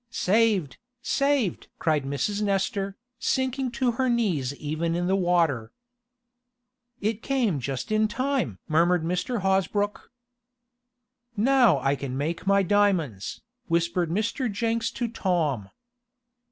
"Saved! Saved!" cried Mrs. Nestor, sinking to her knees even in the water. "It came just in time!" murmured Mr. Hosbrook. "Now I can make my diamonds," whispered Mr. Jenks to Tom.